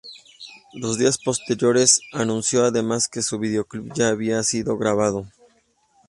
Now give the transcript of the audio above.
Los días posteriores, anunció además que su videoclip ya había sido grabado.